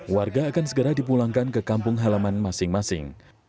warga akan segera dipulangkan ke kampung halaman masing masing